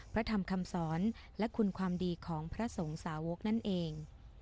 พระธรรมคำสอนและคุณความดีของพระสงสาวกนั่นเอง